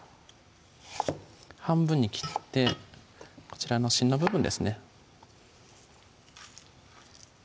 半分に切ってこちらの芯の部分ですね